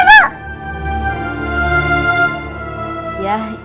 ibu tinggal disini aja ibu